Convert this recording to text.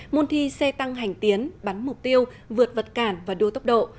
môn thi xe tăng hành tiến bắn mục tiêu vượt vật cản và đua tốc độ